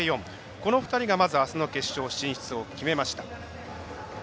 この２人があすの決勝進出を決めました。